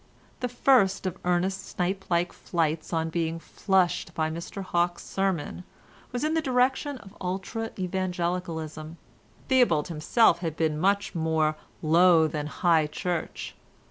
The first of Ernest's snipe like flights on being flushed by Mr Hawke's sermon was in the direction of ultra evangelicalism. Theobald himself had been much more Low than High Church.